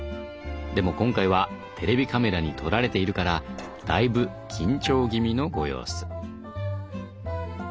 でも今回はテレビカメラに撮られているからだいぶ緊張気味のご様子。